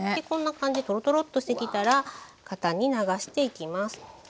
こんな感じトロトロッとしてきたら型に流していきます。